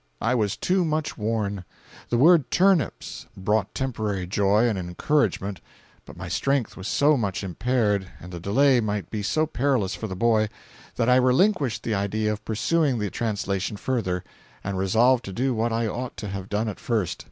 I was too much worn. The word 'turnips' brought temporary joy and encouragement, but my strength was so much impaired, and the delay might be so perilous for the boy, that I relinquished the idea of pursuing the translation further, and resolved to do what I ought to have done at first.